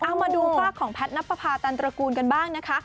เอามาดูฝากของแพทย์นับประพาตันตระกูลกันบ้างนะคะ